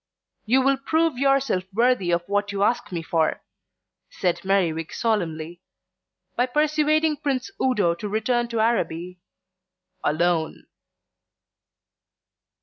"You will prove yourself worthy of what you ask me for," said Merriwig solemnly, "by persuading Prince Udo to return to Araby alone."